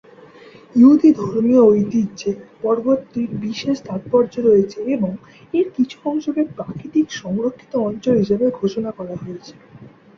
ইহুদি ধর্মীয় ঐতিহ্যে পর্বতটির বিশেষ তাত্পর্য রয়েছে এবং এর কিছু অংশকে প্রাকৃতিক সংরক্ষিত অঞ্চল হিসেবে ঘোষণা করা হয়েছে।